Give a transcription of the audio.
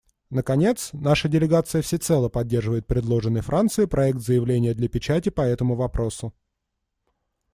Наконец, наша делегация всецело поддерживает предложенный Францией проект заявления для печати по этому вопросу.